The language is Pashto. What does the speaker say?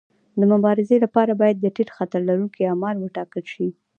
د مبارزې لپاره باید د ټیټ خطر لرونکي اعمال وټاکل شي.